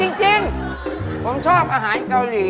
จริงผมชอบอาหารเกาหลี